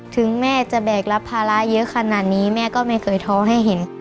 ถึงแม่จะแบกรับภาระเยอะขนาดนี้แม่ก็ไม่เคยท้อให้เห็น